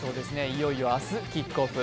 いよいよ明日キックオフ。